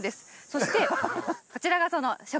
そしてこちらがその食材です。